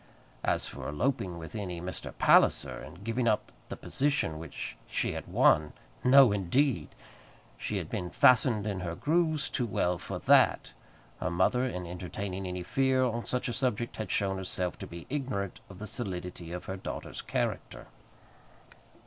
As for eloping with any Mr. Palliser, and giving up the position which she had won; no, indeed! She had been fastened in her grooves too well for that! Her mother, in entertaining any fear on such a subject, had shown herself to be ignorant of the solidity of her daughter's character.